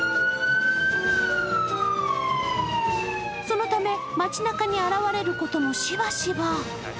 そのため街なかに現れることもしばしば。